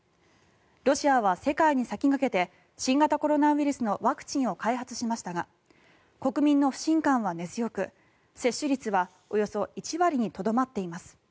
ロシアは世界に先駆けて新型コロナウイルスのワクチンを開発しましたが国民の不信感は根強く、接種率はおよそ１割にとどまっています。